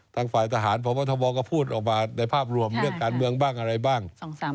ทางฝ่ายทหารพบทบก็พูดออกมาในภาพรวมเรื่องการเมืองบ้างอะไรบ้าง